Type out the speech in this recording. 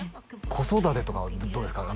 子育てとかはどうですか？